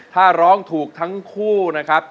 ถ้าร้องถูกทั้งคู่นะครับ